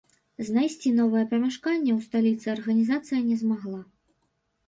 Знайсці новае памяшканне ў сталіцы арганізацыя не змагла.